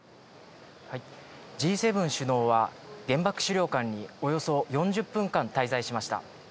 Ｇ７首脳は、原爆資料館におよそ４０分間滞在しました。